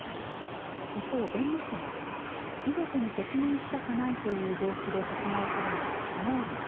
一方、弁護士は、遺族に説明したくないという動機で殺害するのは不合理だ。